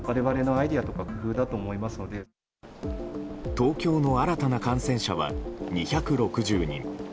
東京の新たな感染者は２６０人。